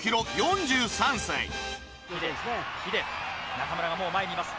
中村がもう前にいます。